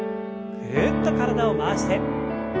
ぐるっと体を回して。